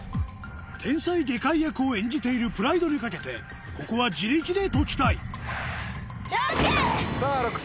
天才外科医役を演じているプライドに懸けてここは自力で解きたいＬＯＣＫ！